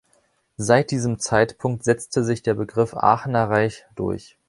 Seit diesem Zeitpunkt setzte sich der Begriff "Aachener Reich" durch.